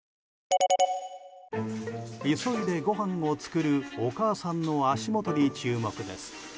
急いで、ごはんを作るお母さんの足元に注目です。